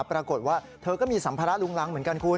ปรากฏว่าเธอก็มีสัมภาระลุงรังเหมือนกันคุณ